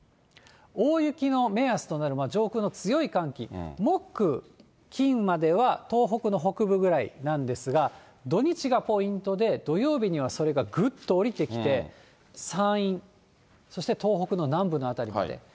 大雪の目安となる上空の強い寒気、木、金までは、東北の北部ぐらいなんですが、土日がポイントで、土曜日にはそれがぐっと下りてきて、山陰、そして東北の南部の辺りまで。